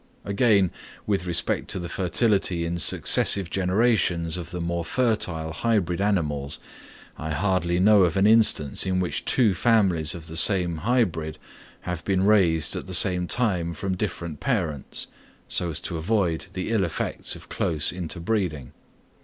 Again, with respect to the fertility in successive generations of the more fertile hybrid animals, I hardly know of an instance in which two families of the same hybrid have been raised at the same time from different parents, so as to avoid the ill effects of close interbreeding.